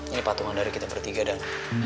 ini patungan dari kita bertiga dan